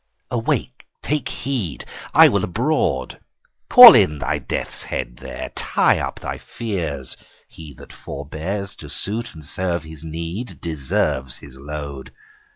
Away; take heed: I will abroad. Call in thy death's head there: tie up thy fears. He that forbears To suit and serve his need, Deserves his load.